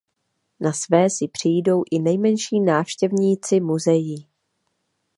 Na své si přijdou i nejmenší návštěvníci muzeí.